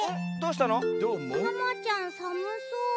タマちゃんさむそう。